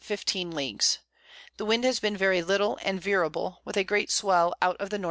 15 Leagues. The Wind has been very little, and veerable, with a great Swell out of the N.W.